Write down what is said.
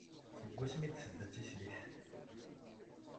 Seg asmi i d-tedda d tislit.